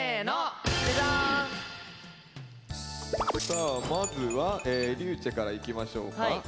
さあまずはりゅうちぇからいきましょうか。